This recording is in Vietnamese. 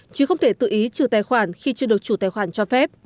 chứ không thể tự ý trừ tài khoản khi chưa được chủ tài khoản cho phép